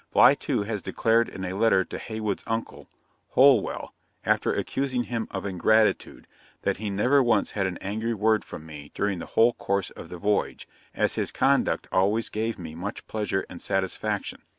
Bligh, too, has declared in a letter to Heywood's uncle, Holwell, after accusing him of ingratitude, that 'he never once had an angry word from me during the whole course of the voyage, as his conduct always gave me much pleasure and satisfaction.'